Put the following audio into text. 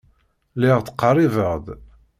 Lliɣ ttqerribeɣ-d.